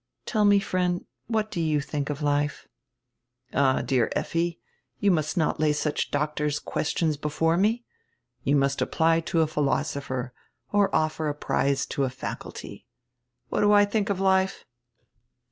Tell me, friend, what do you diink of life?" "All, dear Effi, you must not lay such doctors' questions before me. You must apply to a philosopher or offer a prize to a faculty. What do I diink of life?